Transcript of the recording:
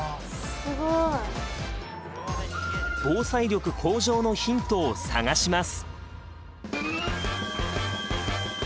すごい！防災力向上のヒントを探します。